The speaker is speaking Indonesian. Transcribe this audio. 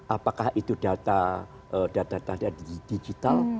apakah itu data data digital